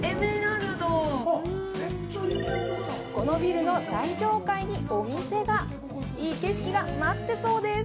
このビルの最上階にお店がいい景色が待ってそうです